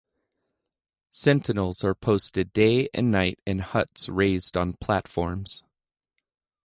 Sentinels are posted day and night in huts raised on platforms.